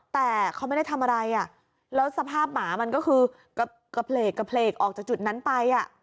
แต่เขาไม่ได้ทำอะไรอ่ะแล้วสภาพหมามันก็คือกระเพลกออกจากจุดนั้นไปอ่ะ